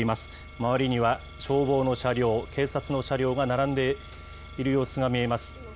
周りには消防の車両、警察の車両が並んでいる様子が見えます。